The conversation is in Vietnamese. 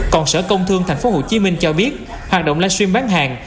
còn sở công thương tp hcm cho biết hoạt động live stream bán hàng